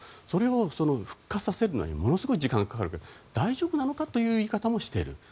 それを復活させるのにものすごい時間がかかるけど大丈夫なのか？という言い方もしている。